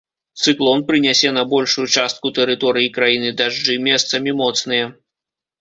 Цыклон прынясе на большую частку тэрыторыі краіны дажджы, месцамі моцныя.